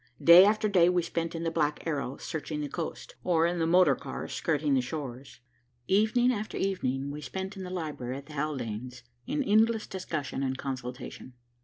Day after day we spent in the Black Arrow, searching the coast, or in the motor car, skirting the shores. Evening after evening we spent in the library at the Haldanes', in endless discussion and consultation.